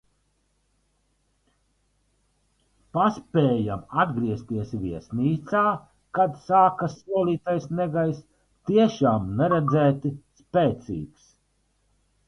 Paspējam atgriezties viesnīcā, kad sākas solītais negaiss - tiešām neredzēti spēcīgs.